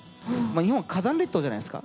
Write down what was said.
日本は火山列島じゃないですか。